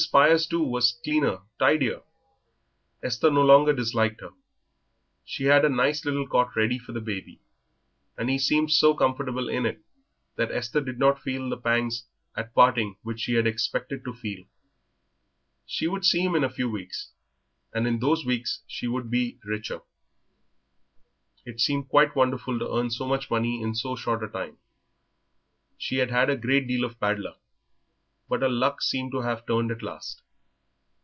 Spires, too, was cleaner, tidier; Esther no longer disliked her; she had a nice little cot ready for the baby, and he seemed so comfortable in it that Esther did not feel the pangs at parting which she had expected to feel. She would see him in a few weeks, and in those weeks she would be richer. It seemed quite wonderful to earn so much money in so short a time. She had had a great deal of bad luck, but her luck seemed to have turned at last.